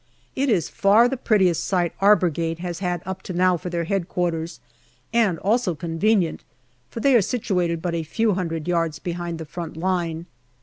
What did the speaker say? It is far the prettiest 198 GALLIPOLI DIARY site our Brigade has had up to now for their Headquarters, and also convenient, for they are situated but a few hundred yards behind the front line.